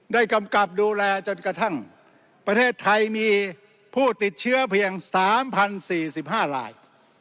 กำกับดูแลจนกระทั่งประเทศไทยมีผู้ติดเชื้อเพียง๓๐๔๕ลาย